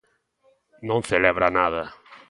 Non celebra nada.